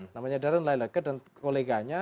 namanya darren laila ke dan koleganya